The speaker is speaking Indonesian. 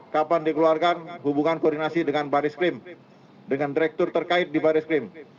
kapan dikeluarkan hubungan koordinasi dengan baris krim dengan direktur terkait di baris krim